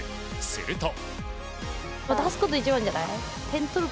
すると。